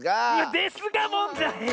ですがもんだい！